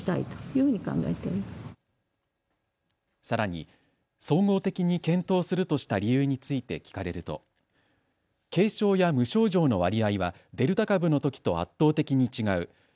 さらに総合的に検討するとした理由について聞かれると軽症や無症状の割合はデルタ株のときと圧倒的に違う。